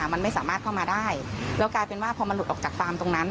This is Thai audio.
มันไม่สามารถเข้ามาได้แล้วกลายเป็นว่าพอมันหลุดออกจากฟาร์มตรงนั้น